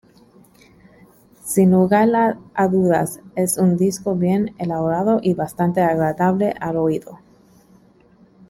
Sin lugar a dudas, es un disco bien elaborado y bastante agradable al oído.